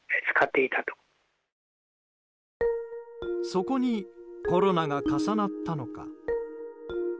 そこにコロナが重なったのか。